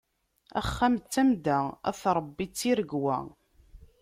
Axxam d tamda, at Ṛebbi d tiregwa.